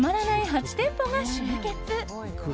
８店舗が集結。